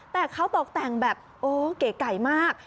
แต่เขาตกแต่งแบบโอ้เก๋ไก่มาก